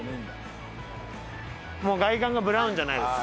外観がブラウンじゃないです。